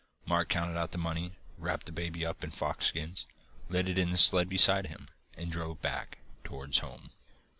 Mark counted out the money, wrapped the baby up in a fox skin, laid it in the sledge beside him, and drove back towards home.